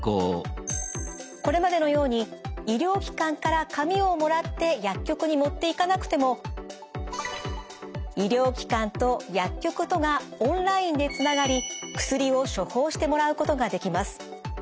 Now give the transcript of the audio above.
これまでのように医療機関から紙をもらって薬局に持っていかなくても医療機関と薬局とがオンラインでつながり薬を処方してもらうことができます。